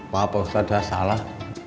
pak ustadz saya salah